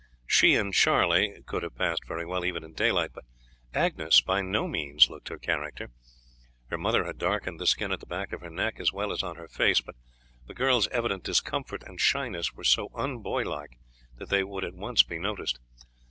She and Charlie could, have passed very well even in daylight, but Agnes by no means looked her character. Her mother had darkened the skin at the back of her neck as well as on her face, but the girl's evident discomfort and shyness were so unboylike that they would at once be noticed.